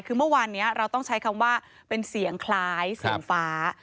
คือเมื่อวานนี้เราต้องใช้คำว่าเป็นเสียงคล้ายเสียงฟ้า